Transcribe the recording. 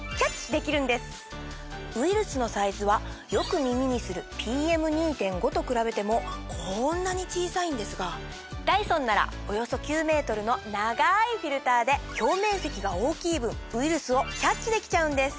ウイルスのサイズはよく耳にするＰＭ２．５と比べてもこんなに小さいんですがダイソンならおよそ９ｍの長いフィルターで表面積が大きい分ウイルスをキャッチできちゃうんです。